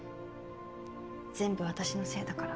全部私のせいだから。